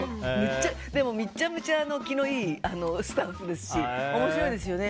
むちゃむちゃ気のいいスタッフですし面白いですよね。